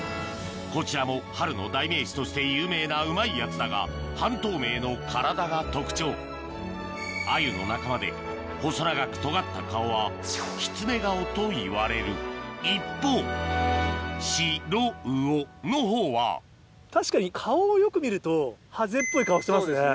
こちらも春の代名詞として有名なうまいやつだが半透明の体が特徴細長くとがった顔はきつね顔といわれる一方確かに顔をよく見るとハゼっぽい顔してますね。